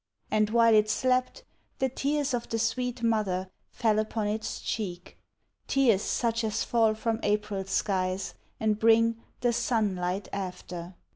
And while it slept, the tears Of the sweet mother fell upon its cheek, — Tears such as fall from April skies, and bring • The sunlight after.